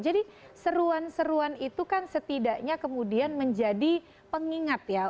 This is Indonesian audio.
jadi seruan seruan itu kan setidaknya kemudian menjadi pengingat ya